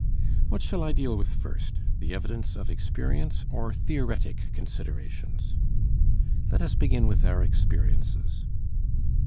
What shall I deal with first, the evidence of experience or theoretic considerations? Let us begin with our experiences.